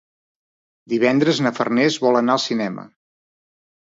Divendres na Farners vol anar al cinema.